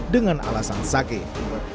dengan alasan sakit